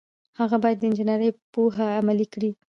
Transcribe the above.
هغه باید د انجنیری پوهه عملي کړي.